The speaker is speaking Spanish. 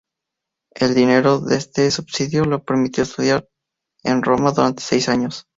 El dinero de este subsidio le permitió estudiar en Roma durante seis años.